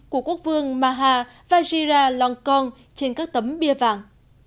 của quốc vương maha vajiralongkorn trên các tấm bia vàng